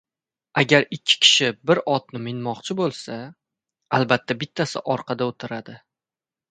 • Agar ikki kishi bir otni minmoqchi bo‘lsa, albatta bittasi orqada o‘tiradi.